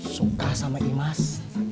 suka sama imas